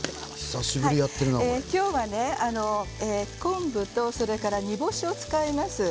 今日は昆布とそれから煮干しを使います。